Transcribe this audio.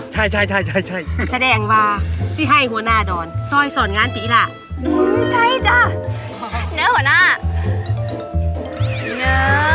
อ๋อใช่แสดงว่าที่ให้หัวหน้าดอนซ่อยส่วนงานปีล่ะใช่จ๊ะเนอะหัวหน้าเนอะ